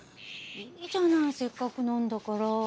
いいじゃないせっかくなんだから。